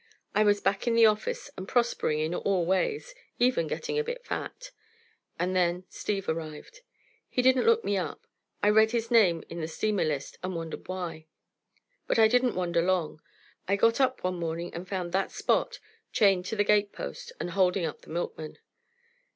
I was back in the office and prospering in all ways even getting a bit fat. And then Steve arrived. He didn't look me up. I read his name in the steamer list, and wondered why. But I didn't wonder long. I got up one morning and found that Spot chained to the gate post and holding up the milkman.